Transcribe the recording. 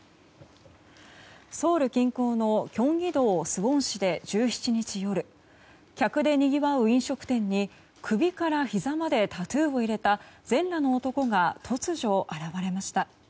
ソウル近郊のキョンギ道スウォン市で１７日夜客でにぎわう飲食店に首からひざまでタトゥーを入れた全裸の男が突如、現れました。